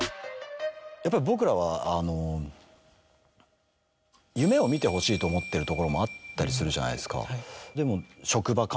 やっぱり僕らは。と思ってるところもあったりするじゃないですか。